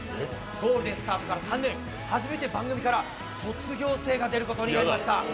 ゴールデンスタートから３年、初めて番組から卒業生が出ることになりました。